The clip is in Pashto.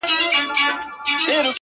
گرانه شاعره له مودو راهسي ـ